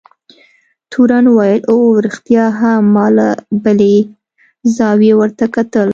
تورن وویل: اوه، رښتیا هم، ما له یوې بلې زاویې ورته کتل.